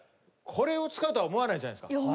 これを使うとは思わないじゃないですか。